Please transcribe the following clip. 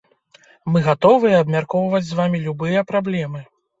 Мы гатовыя абмяркоўваць з вамі любыя праблемы.